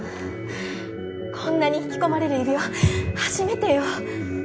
こんなに引き込まれる指輪初めてよ。